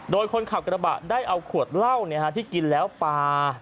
โดยคนขับกระบะได้เอาขวดเหล้าที่กินแล้วปลา